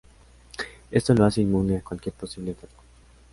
Esto lo hace inmune a cualquier posible atasco.